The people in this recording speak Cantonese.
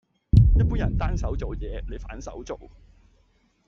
一般人單手做嘅嘢，你反手做